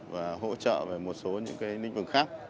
và hỗ trợ về một số những ninh vực khác